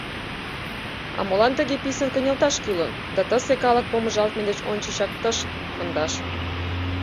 А молан тыге писын кынелташ кӱлын да тысе калык помыжалтме деч ончычак тыш кондаш?